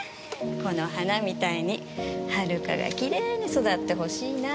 この花みたいに遥がきれいに育って欲しいな。